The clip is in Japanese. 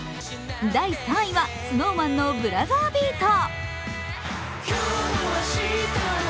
第３位は、ＳｎｏｗＭａｎの「ブラザービート」。